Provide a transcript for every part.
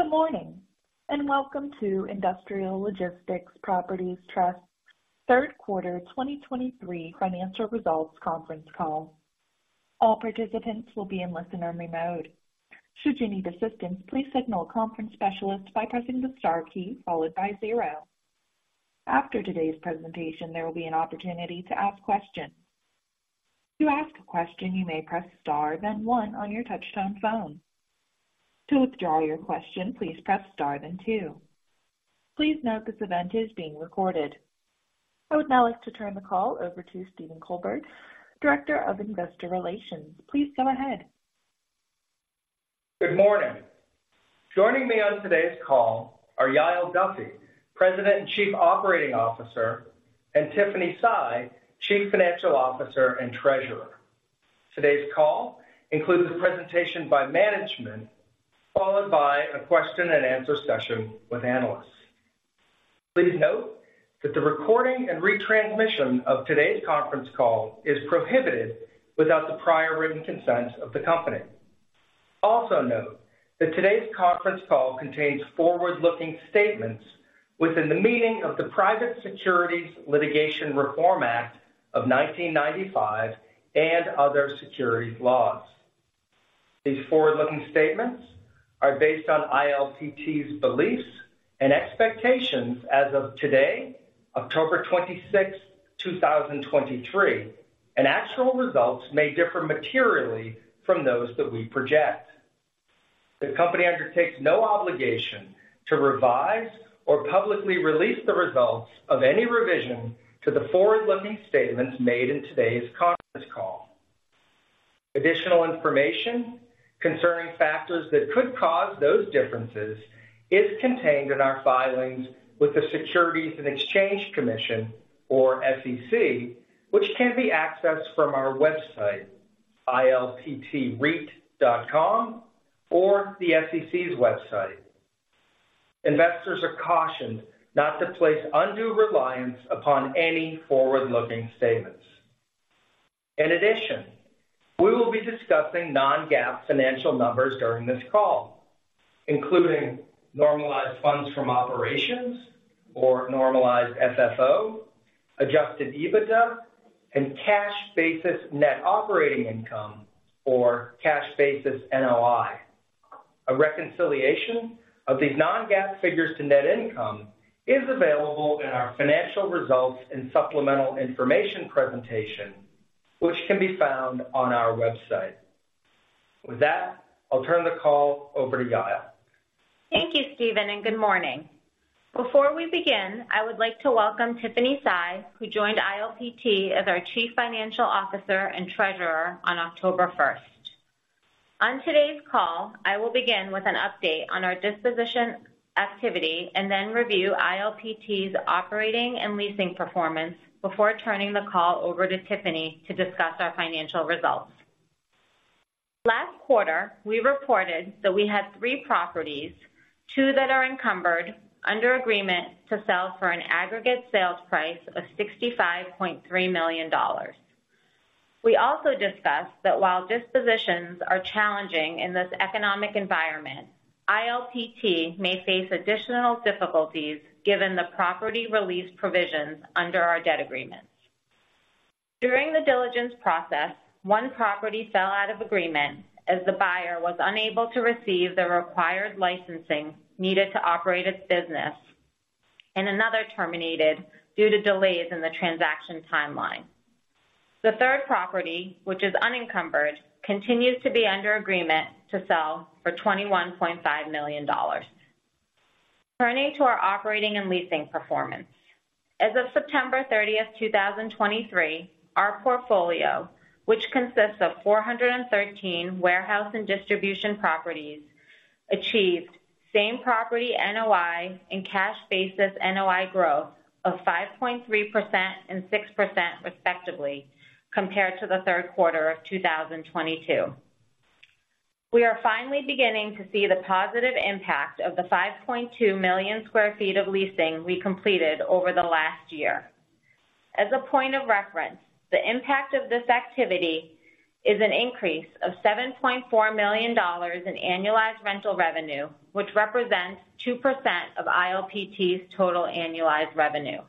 Good morning, and welcome to Industrial Logistics Properties Trust third quarter 2023 financial results conference call. All participants will be in listener-only mode. Should you need assistance, please signal a conference specialist by pressing the star key followed by zero. After today's presentation, there will be an opportunity to ask questions. To ask a question, you may press star, then one on your touchtone phone. To withdraw your question, please press star, then two. Please note this event is being recorded. I would now like to turn the call over to Stephen Colbert, Director of Investor Relations. Please go ahead. Good morning. Joining me on today's call are Yael Duffy, President and Chief Operating Officer, and Tiffany Sy, Chief Financial Officer and Treasurer. Today's call includes a presentation by management, followed by a question and answer session with analysts. Please note that the recording and retransmission of today's conference call is prohibited without the prior written consent of the company. Also note that today's conference call contains forward-looking statements within the meaning of the Private Securities Litigation Reform Act of 1995 and other securities laws. These forward-looking statements are based on ILPT's beliefs and expectations as of today, October 26, 2023, and actual results may differ materially from those that we project. The company undertakes no obligation to revise or publicly release the results of any revision to the forward-looking statements made in today's conference call. Additional information concerning factors that could cause those differences is contained in our filings with the Securities and Exchange Commission, or SEC, which can be accessed from our website, ilptreit.com, or the SEC's website. Investors are cautioned not to place undue reliance upon any forward-looking statements. In addition, we will be discussing non-GAAP financial numbers during this call, including Normalized Funds From Operations or Normalized FFO, Adjusted EBITDA, and Cash Basis Net Operating Income, or Cash Basis NOI. A reconciliation of these non-GAAP figures to net income is available in our financial results and supplemental information presentation, which can be found on our website. With that, I'll turn the call over to Yael. Thank you, Stephen, and good morning. Before we begin, I would like to welcome Tiffany Sy, who joined ILPT as our Chief Financial Officer and Treasurer on October first. On today's call, I will begin with an update on our disposition activity and then review ILPT's operating and leasing performance before turning the call over to Tiffany to discuss our financial results. Last quarter, we reported that we had three properties, two that are encumbered under agreement to sell for an aggregate sales price of $65.3 million. We also discussed that while dispositions are challenging in this economic environment, ILPT may face additional difficulties given the property release provisions under our debt agreements. During the diligence process, one property fell out of agreement as the buyer was unable to receive the required licensing needed to operate its business, and another terminated due to delays in the transaction timeline. The third property, which is unencumbered, continues to be under agreement to sell for $21.5 million. Turning to our operating and leasing performance. As of September thirtieth, 2023, our portfolio, which consists of 413 warehouse and distribution properties, achieved Same-Property NOI and Cash Basis NOI growth of 5.3% and 6%, respectively, compared to the third quarter of 2022. We are finally beginning to see the positive impact of the 5.2 million sq ft of leasing we completed over the last year. As a point of reference, the impact of this activity is an increase of $7.4 million in annualized rental revenue, which represents 2% of ILPT's total annualized revenue.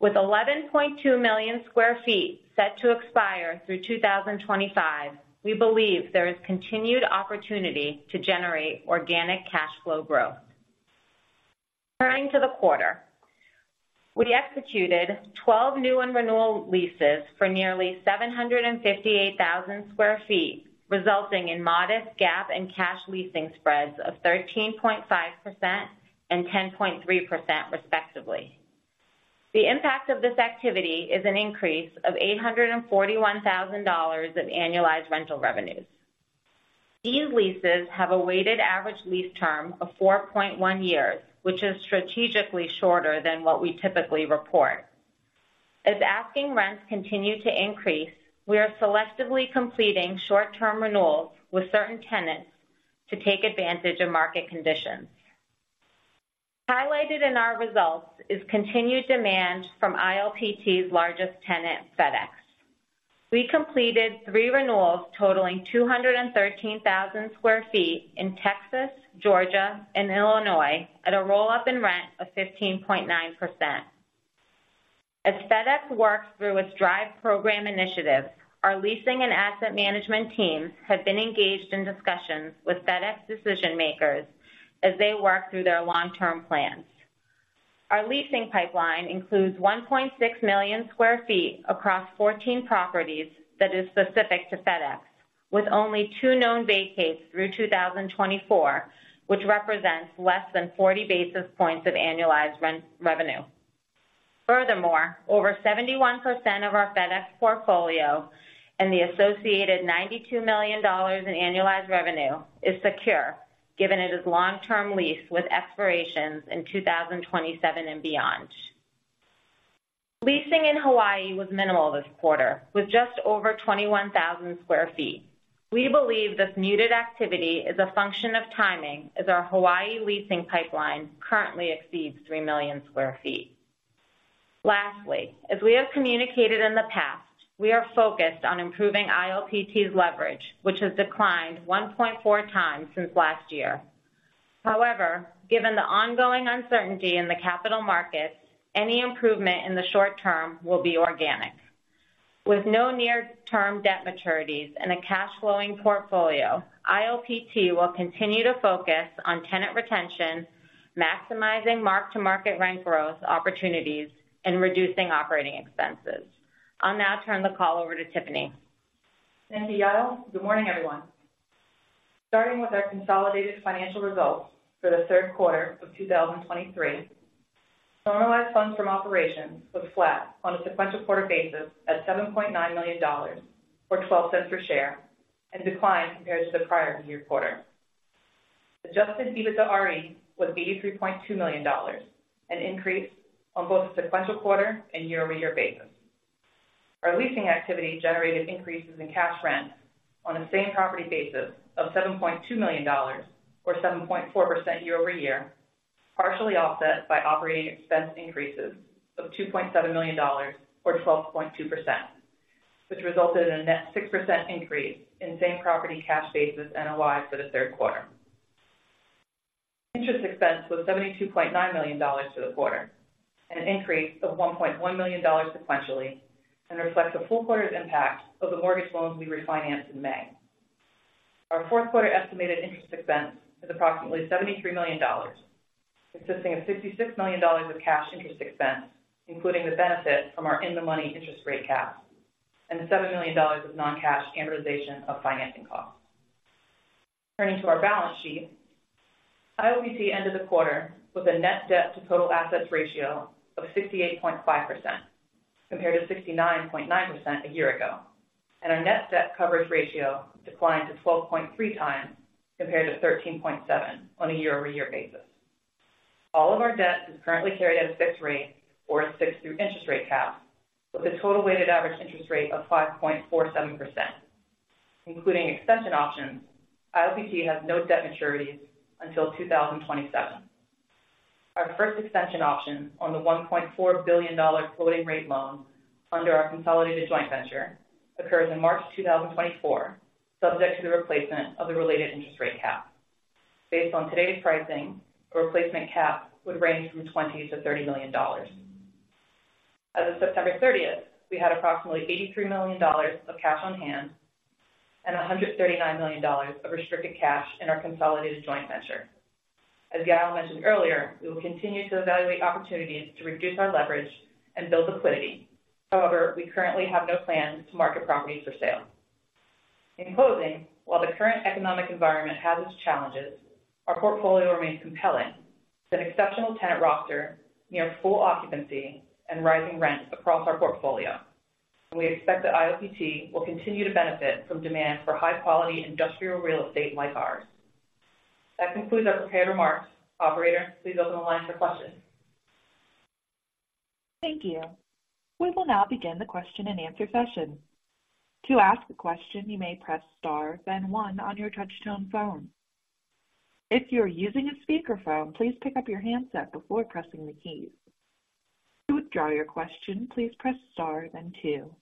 With 11.2 million sq ft set to expire through 2025, we believe there is continued opportunity to generate organic cash flow growth. Turning to the quarter. We executed 12 new and renewal leases for nearly 758,000 sq ft, resulting in modest GAAP and cash leasing spreads of 13.5% and 10.3%, respectively. The impact of this activity is an increase of $841,000 in annualized rental revenues. These leases have a weighted average lease term of 4.1 years, which is strategically shorter than what we typically report. As asking rents continue to increase, we are selectively completing short-term renewals with certain tenants to take advantage of market conditions. Highlighted in our results is continued demand from ILPT's largest tenant, FedEx. We completed three renewals totaling 213,000 sq ft in Texas, Georgia, and Illinois at a roll-up in rent of 15.9%. As FedEx works through its DRIVE Program initiative, our leasing and asset management teams have been engaged in discussions with FedEx decision-makers as they work through their long-term plans. Our leasing pipeline includes 1.6 million sq ft across 14 properties that is specific to FedEx, with only two known vacates through 2024, which represents less than 40 basis points of annualized revenue. Furthermore, over 71% of our FedEx portfolio and the associated $92 million in annualized revenue is secure, given it is long-term lease with expirations in 2027 and beyond. Leasing in Hawaii was minimal this quarter, with just over 21,000 sq ft. We believe this muted activity is a function of timing, as our Hawaii leasing pipeline currently exceeds 3 million sq ft. Lastly, as we have communicated in the past, we are focused on improving ILPT's leverage, which has declined 1.4x since last year. However, given the ongoing uncertainty in the capital markets, any improvement in the short term will be organic. With no near-term debt maturities and a cash flowing portfolio, ILPT will continue to focus on tenant retention, maximizing mark-to-market rent growth opportunities, and reducing operating expenses. I'll now turn the call over to Tiffany. Thank you, Yael. Good morning, everyone. Starting with our consolidated financial results for the third quarter of 2023, Normalized Funds From Operations was flat on a sequential quarter basis at $7.9 million, or $0.12 per share, and declined compared to the prior year quarter. Adjusted EBITDAre was $83.2 million, an increase on both a sequential quarter and year-over-year basis. Our leasing activity generated increases in cash rents on a same property basis of $7.2 million or 7.4% year-over-year, partially offset by operating expense increases of $2.7 million or 12.2%, which resulted in a net 6% increase in same-property Cash Basis NOI for the third quarter. Interest expense was $72.9 million for the quarter, an increase of $1.1 million sequentially, and reflects a full quarter's impact of the mortgage loans we refinanced in May. Our fourth quarter estimated interest expense is approximately $73 million, consisting of $66 million of cash interest expense, including the benefit from our in-the-money interest rate caps, and the $7 million of non-cash amortization of financing costs. Turning to our balance sheet, ILPT ended the quarter with a Net Debt to Total Assets Ratio of 68.5%, compared to 69.9% a year ago, and our Net Debt Coverage Ratio declined to 12.3x, compared to 13.7 on a year-over-year basis. All of our debt is currently carried at a fixed rate or a fixed through interest rate cap, with a total weighted average interest rate of 5.47%. Including extension options, ILPT has no debt maturities until 2027. Our first extension option on the $1.4 billion floating rate loan under our consolidated joint venture occurs in March 2024, subject to the replacement of the related interest rate cap. Based on today's pricing, a replacement cap would range from $20 million-$30 million. As of September 30, we had approximately $83 million of cash on hand and $139 million of restricted cash in our consolidated joint venture. As Yael mentioned earlier, we will continue to evaluate opportunities to reduce our leverage and build liquidity. However, we currently have no plans to market properties for sale. In closing, while the current economic environment has its challenges, our portfolio remains compelling with an exceptional tenant roster, near full occupancy, and rising rents across our portfolio. We expect that ILPT will continue to benefit from demand for high-quality industrial real estate like ours. That concludes our prepared remarks. Operator, please open the line for questions. Thank you. We will now begin the question-and-answer session. To ask a question, you may press star, then one on your touchtone phone. If you are using a speakerphone, please pick up your handset before pressing the keys. To withdraw your question, please press star, then two.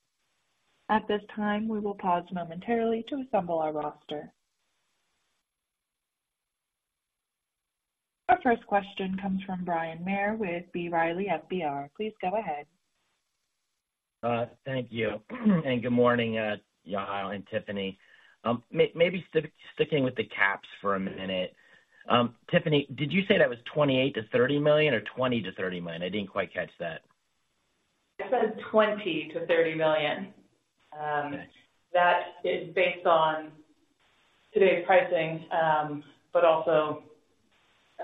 At this time, we will pause momentarily to assemble our roster. Our first question comes from Bryan Maher with B. Riley Securities. Please go ahead. Thank you. Good morning, Yael and Tiffany. Maybe sticking with the caps for a minute. Tiffany, did you say that was $28 million-$30 million or $20 million-$30 million? I didn't quite catch that. I said $20 million-$30 million. Thanks. that is based on today's pricing, but also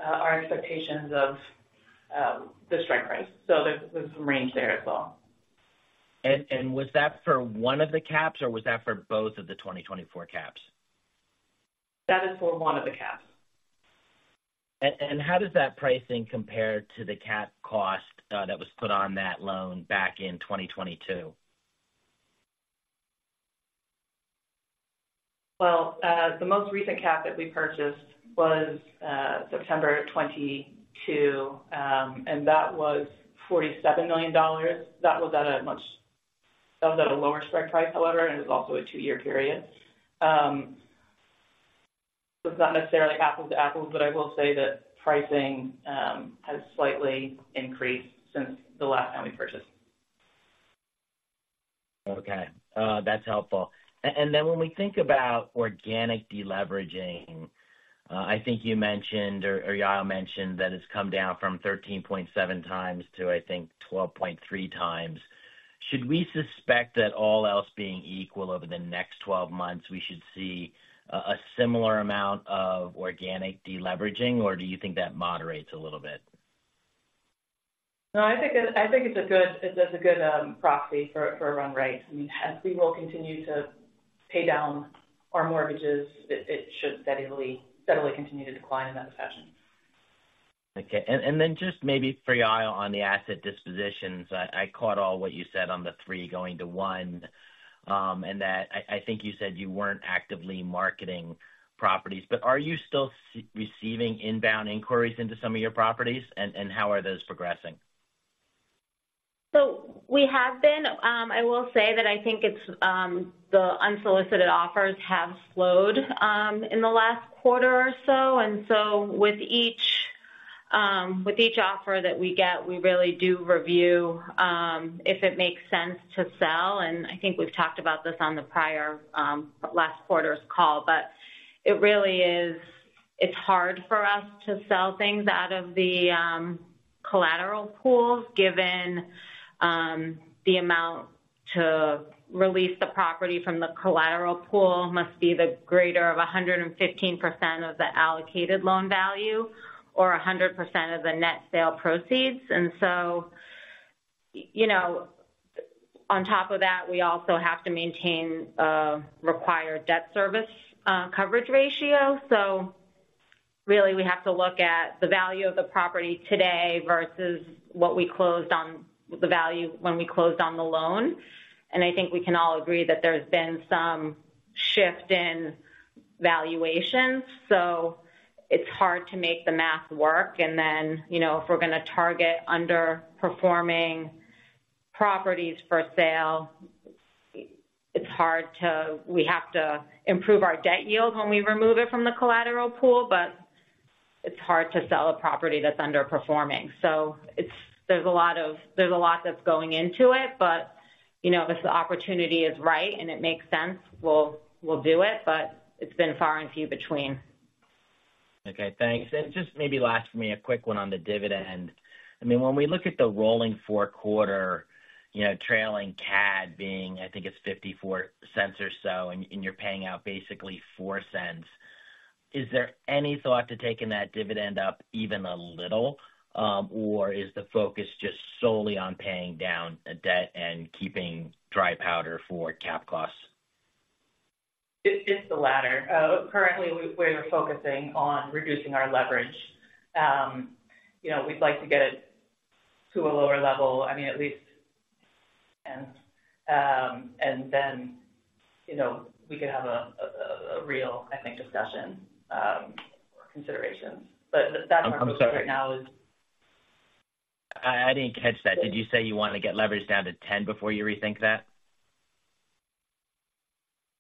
our expectations of the strike price. So there's some range there as well. And was that for one of the caps, or was that for both of the 2024 caps? That is for one of the caps. How does that pricing compare to the cap cost that was put on that loan back in 2022? Well, the most recent cap that we purchased was September 2022, and that was $47 million. That was at a lower strike price, however, and it was also a two-year period. So it's not necessarily apples to apples, but I will say that pricing has slightly increased since the last time we purchased. Okay, that's helpful. And then when we think about organic deleveraging, I think you mentioned or Yael mentioned that it's come down from 13.7x to, I think, 12.3x. Should we suspect that all else being equal over the next 12 months, we should see a similar amount of organic deleveraging, or do you think that moderates a little bit? No, I think it's a good proxy for run rate. I mean, as we will continue to pay down our mortgages, it should steadily continue to decline in that fashion. Okay. And then just maybe for Yael on the asset dispositions. I caught all what you said on the three going to one, and that I think you said you weren't actively marketing properties, but are you still receiving inbound inquiries into some of your properties? And how are those progressing? So we have been. I will say that I think it's the unsolicited offers have slowed in the last quarter or so. And so with each offer that we get, we really do review if it makes sense to sell, and I think we've talked about this on the prior last quarter's call. But it really is, it's hard for us to sell things out of the collateral pools, given the amount to release the property from the collateral pool must be the greater of 115% of the allocated loan value or 100% of the net sale proceeds. And so, you know, on top of that, we also have to maintain a required Debt Service Coverage Ratio. So really, we have to look at the value of the property today versus what we closed on - the value when we closed on the loan. And I think we can all agree that there's been some shift in valuations, so it's hard to make the math work. And then, you know, if we're going to target underperforming properties for sale, it's hard to. We have to improve our debt yield when we remove it from the collateral pool, but it's hard to sell a property that's underperforming. So it's - there's a lot that's going into it, but, you know, if the opportunity is right and it makes sense, we'll, we'll do it, but it's been far and few between. Okay, thanks. And just maybe last for me, a quick one on the dividend. I mean, when we look at the rolling four-quarter, you know, trailing CAD being, I think it's $0.54 or so, and, and you're paying out basically $0.04, is there any thought to taking that dividend up even a little? Or is the focus just solely on paying down the debt and keeping dry powder for cap costs? It's the latter. Currently, we're focusing on reducing our leverage. You know, we'd like to get it to a lower level, I mean, at least, and then, you know, we could have a real, I think, discussion or considerations. But that's our focus right now is- I didn't catch that. Did you say you want to get leverage down to 10 before you rethink that?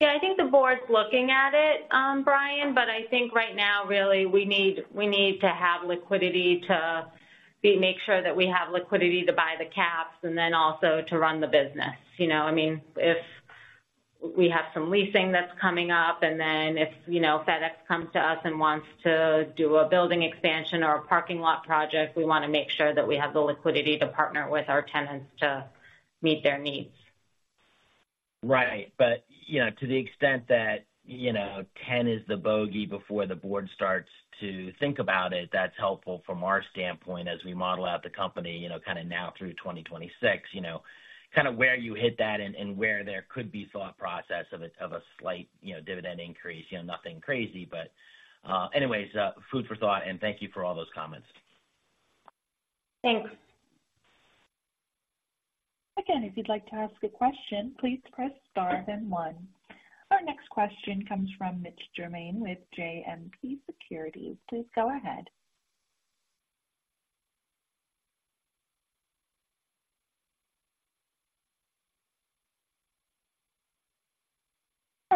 Yeah, I think the board's looking at it, Bryan, but I think right now, really, we need, we need to have liquidity to make sure that we have liquidity to buy the caps and then also to run the business. You know, I mean, if we have some leasing that's coming up, and then if, you know, FedEx comes to us and wants to do a building expansion or a parking lot project, we want to make sure that we have the liquidity to partner with our tenants to meet their needs. Right. But, you know, to the extent that, you know, 10 is the bogey before the board starts to think about it, that's helpful from our standpoint as we model out the company, you know, kind of now through 2026, you know, kind of where you hit that and, and where there could be thought process of a, of a slight, you know, dividend increase, you know, nothing crazy. But, anyways, food for thought, and thank you for all those comments. Thanks. Again, if you'd like to ask a question, please press star then one. Our next question comes from Mitch Germain with JMP Securities. Please go ahead.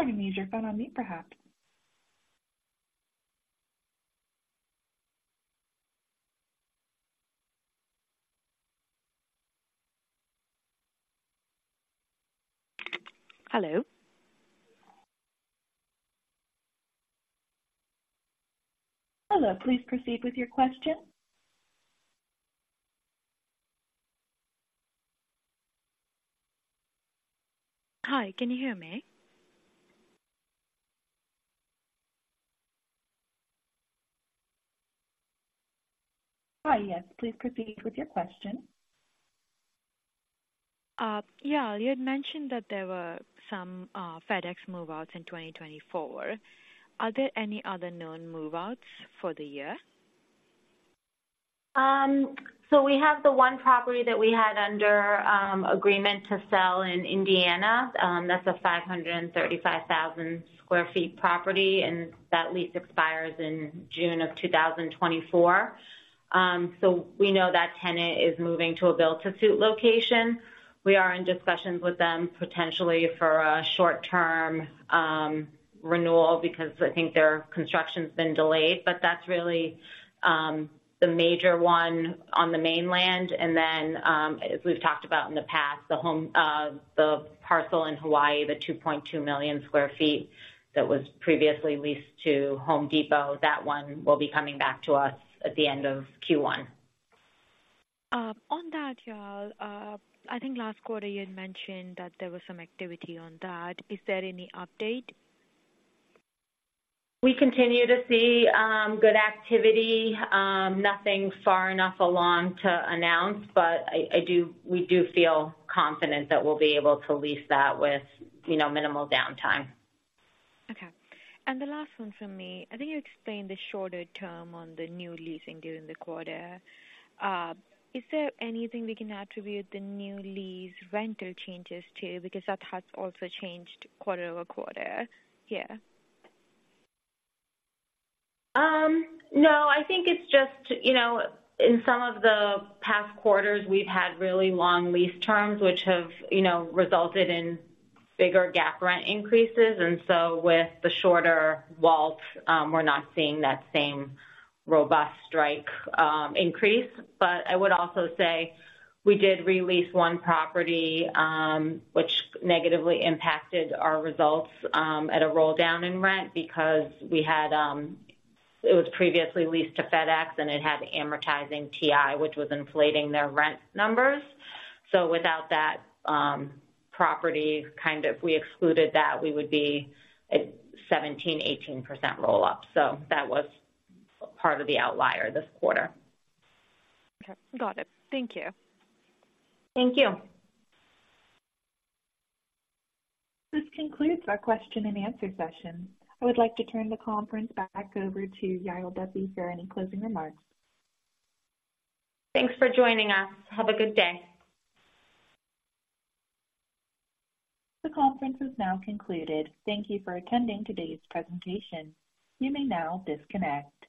Sorry, can you mute your phone on mute, perhaps? Hello? Hello, please proceed with your question. Hi, can you hear me? Hi, yes. Please proceed with your question. Yeah. You had mentioned that there were some FedEx move-outs in 2024. Are there any other known move-outs for the year?... So we have the one property that we had under agreement to sell in Indiana. That's a 535,000 sq ft property, and that lease expires in June of 2024. So we know that tenant is moving to a build-to-suit location. We are in discussions with them potentially for a short-term renewal because I think their construction's been delayed. But that's really the major one on the mainland. And then, as we've talked about in the past, the home, the parcel in Hawaii, the 2.2 million sq ft that was previously leased to Home Depot, that one will be coming back to us at the end of Q1. On that, Yael, I think last quarter you had mentioned that there was some activity on that. Is there any update? We continue to see good activity. Nothing far enough along to announce, but we do feel confident that we'll be able to lease that with, you know, minimal downtime. Okay. And the last one from me. I think you explained the shorter term on the new leasing during the quarter. Is there anything we can attribute the new lease rental changes to? Because that has also changed quarter-over-quarter, yeah. No, I think it's just, you know, in some of the past quarters, we've had really long lease terms, which have, you know, resulted in bigger GAAP rent increases. And so with the shorter WALTs, we're not seeing that same robust straight-line increase. But I would also say we did re-lease one property, which negatively impacted our results, at a roll down in rent because we had... It was previously leased to FedEx, and it had amortizing TI, which was inflating their rent numbers. So without that property, kind of, if we excluded that, we would be at 17%-18% roll-up. So that was part of the outlier this quarter. Okay, got it. Thank you. Thank you. This concludes our question and answer session. I would like to turn the conference back over to Yael Duffy for any closing remarks. Thanks for joining us. Have a good day. The conference is now concluded. Thank you for attending today's presentation. You may now disconnect.